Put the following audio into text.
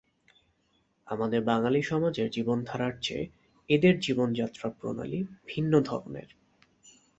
আমাদের বাঙালী সমাজের জীবন ধারার চেয়ে এদের জীবন যাত্রা প্রণালী ভিন্ন ধরনের।